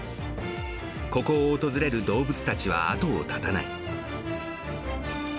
ここを訪れる動物たちは後を絶たない。